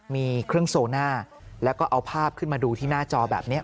มีเครื่องโซน่าแล้วก็เอาภาพขึ้นมาดูที่หน้าจอแบบนี้